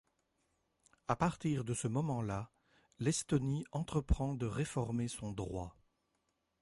À partir de ce moment-là, l’Estonie entreprend de réformer son droit.